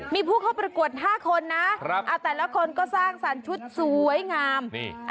มีผู้เข้าประกวด๕คนนะแต่ละคนก็สร้างสรรค์ชุดสวยงามนี่